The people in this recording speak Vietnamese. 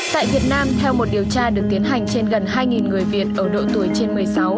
tại việt nam theo một điều tra được tiến hành trên gần hai người việt ở độ tuổi trên một mươi sáu